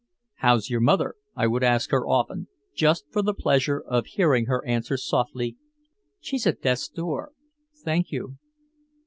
"How's your mother?" I would ask her often, just for the pleasure of hearing her answer softly, "She's at death's door, thank you."